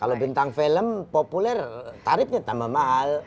kalau bintang film populer tarifnya tambah mahal